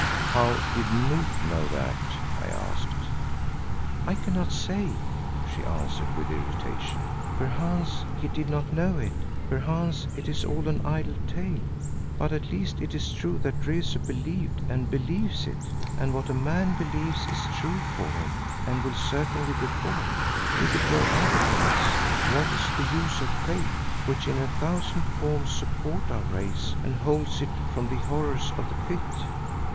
"How did Noot know that?" I asked. "I cannot say," she answered with irritation. "Perchance he did not know it. Perchance it is all an idle tale, but at least it is true that Rezu believed and believes it, and what a man believes is true for him and will certainly befall. If it were otherwise, what is the use of faith which in a thousand forms supports our race and holds it from the horrors of the Pit?